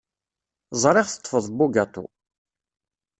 Ẓriɣ teṭṭfeḍ bugaṭu.